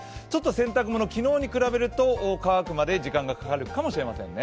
洗濯物、昨日に比べると乾くまで時間がかかるかもしれませんね。